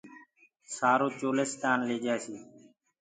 سآرو چولستآن ليجآسي